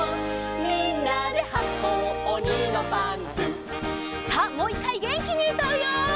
「みんなではこうおにのパンツ」さあもう１かいげんきにうたうよ！